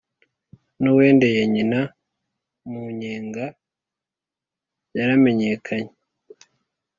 n'uwendeye nyina mu nyenga yaramenyekanye